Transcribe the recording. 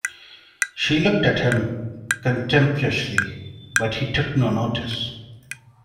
She looked at him contemptuously, but he took no notice.